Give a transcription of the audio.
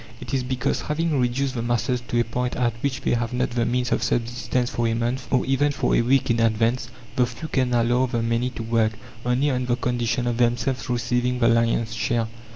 It is because, having reduced the masses to a point at which they have not the means of subsistence for a month, or even for a week in advance, the few can allow the many to work, only on the condition of themselves receiving the lion's share.